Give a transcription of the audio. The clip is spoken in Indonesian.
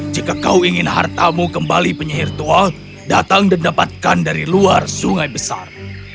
jika kau ingin hartamu kembali penyihir tua datang dan dapatkan dari luar sungai besar